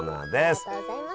ありがとうございます。